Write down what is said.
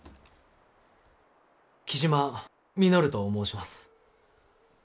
雉真稔と申します。